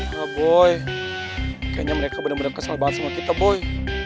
kayaknya mereka bener bener kesal banget sama kita boy